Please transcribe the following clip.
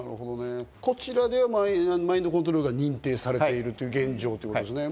こちらではマインドコントロールが認定されているという現状ですね。